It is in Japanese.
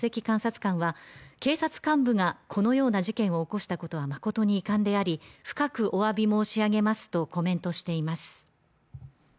監察官は警察幹部がこのような事件を起こしたことは誠に遺憾であり深くおわび申し上げますとコメントしています